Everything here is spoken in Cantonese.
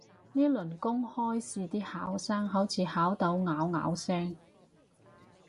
呢輪公開試啲考生好似考到拗拗聲